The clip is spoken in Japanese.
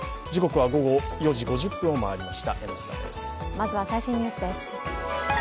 まずは最新のニュースです。